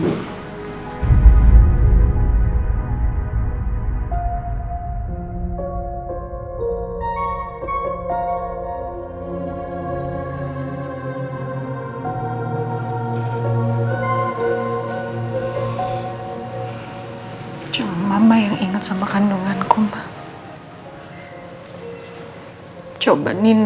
tidak makasih hakim